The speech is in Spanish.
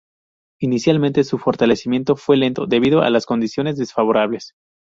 Inicialmente su fortalecimiento fue lento debido a las condiciones desfavorables.